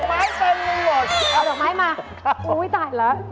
ดอกไม้เป็นเลยหรอเอาดอกไม้มาโอ้โฮตายแล้ว